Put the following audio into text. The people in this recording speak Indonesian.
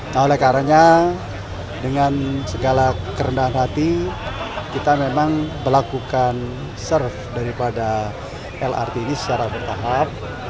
nah oleh karanya dengan segala kerendahan hati kita memang melakukan serve daripada lrt ini secara bertahap